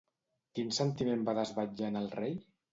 Quin sentiment va desvetllar en el rei?